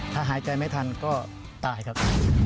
ถ้าหายใจไม่ทันก็ตายครับ